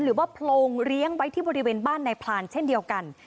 หรือว่าโพรงเลี้ยงไว้ที่บริเวณบ้านนายพลานเช่นเดียวกัน